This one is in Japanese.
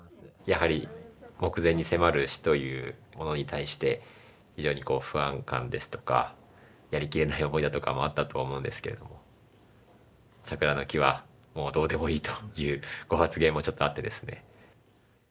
やはり目前に迫る死というものに対して非常にこう不安感ですとかやりきれない思いだとかもあったとは思うんですけれども桜の木はもうどうでもいいというご発言もちょっとあってですね。